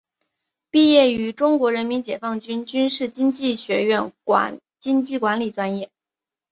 毕业于中国人民解放军军事经济学院经济管理专业。